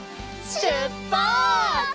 しゅっぱつ！